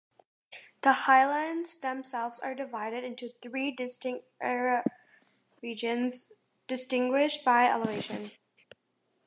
The highlands themselves are divided into three distinct ecoregions, distinguished by elevation.